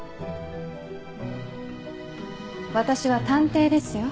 私は探偵ですよ。